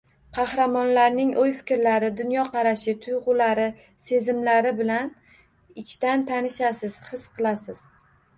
Qahramonlarning oʻy-fikrlari, dunyoqarashi, tuygʻulari, sezimlari bilan ichdan tanishasiz, his qilasiz